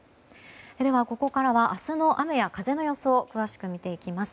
では、ここからは明日の雨や風の予想を詳しく見ていきます。